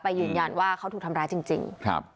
ยืนยันว่าเขาถูกทำร้ายจริง